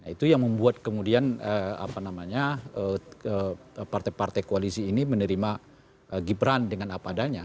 itu yang membuat kemudian partai partai koalisi ini menerima gibran dengan apa adanya